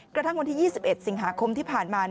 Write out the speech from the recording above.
กระทั่งวันที่๒๑สิงหาคมที่ผ่านมา